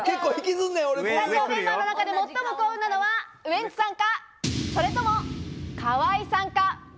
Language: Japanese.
スタジオメンバーの中で最も幸運なのはウエンツさんか、それとも河井さんか。